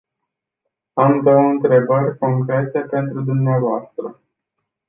Am două întrebări concrete pentru dumneavoastră.